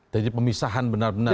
jadi pemisahan benar benar ya